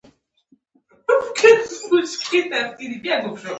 دا تړون د وګړو د پیسو د زېرمو اړوند معلومات شریکولو لپاره دی.